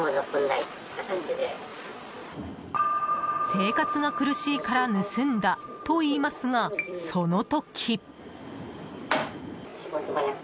生活が苦しいから盗んだと言いますが、その時。